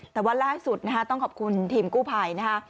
แต่ว่าล่าสุดนะฮะต้องขอบคุณทีมกู้ภัยนะคะ